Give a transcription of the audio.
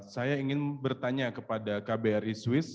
saya ingin bertanya kepada kbri swiss